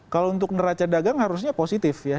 kalau untuk neraca dagang harusnya positif ya